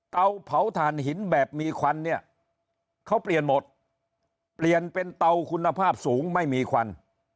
เตาเผาถ่านหินแบบมีควันเนี่ยเขาเปลี่ยนหมดเปลี่ยนเป็นเตาคุณภาพสูงไม่มีควัน